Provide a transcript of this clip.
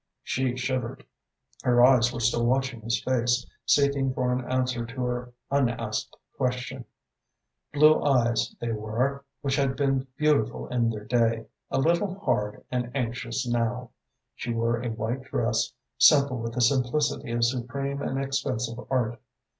She shivered. Her eyes were still watching his face, seeking for an answer to her unasked question. Blue eyes they were, which had been beautiful in their day, a little hard and anxious now. She wore a white dress, simple with the simplicity of supreme and expensive art.